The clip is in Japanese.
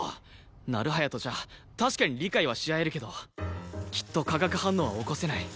成早とじゃ確かに理解はし合えるけどきっと化学反応は起こせない。